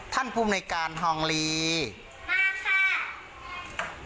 ท่านภูมิในการฮองลีมาค่ะ